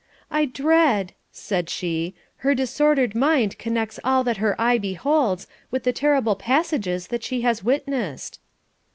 'I dread,' said she, 'her disordered mind connects all that her eye beholds with the terrible passages that she has witnessed.'